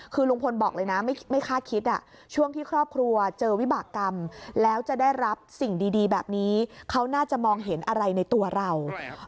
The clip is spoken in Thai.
คือลุงพลบอกเลยนะไม่คาดคิดช่วงที่ครอบครัวเจอวิบากรรมแล้วจะได้รับสิ่งดีแบบนี้เขาน่าจะมองเห็นอะไรในตัวเรา